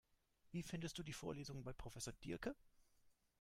Wie findest du die Vorlesungen bei Professor Diercke?